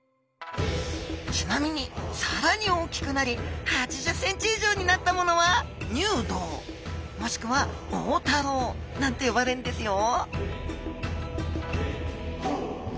ちなみにさらに大きくなり８０センチ以上になったものは入道もしくは大太郎なんて呼ばれるんですよ